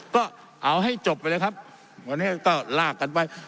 ก็เอาให้จบไปเลยครับวันนี้ก็ลากกันไว้